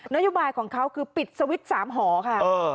โยบายของเขาคือปิดสวิตช์๓หอค่ะ